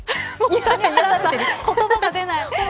言葉が出ない。